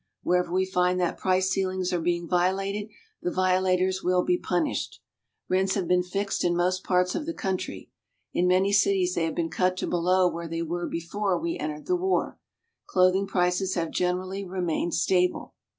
Wherever we find that price ceilings are being violated, the violators will be punished. Rents have been fixed in most parts of the country. In many cities they have been cut to below where they were before we entered the war. Clothing prices have generally remained stable.